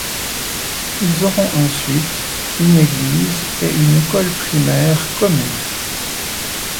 Ils auront ensuite une église et une école primaire commune.